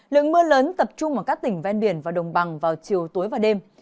lượng mưa lớn tập trung vào các tỉnh ven biển và đồng bằng vào chiều tối và đêm